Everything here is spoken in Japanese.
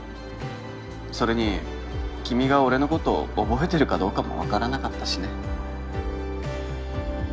それに君が俺のことを覚えてるかどうかも分からなかったしね